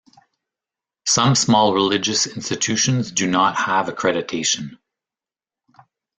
Some small religious institutions do not have accreditation.